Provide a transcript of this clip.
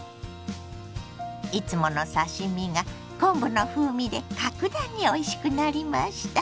いつもの刺し身が昆布の風味で格段においしくなりました。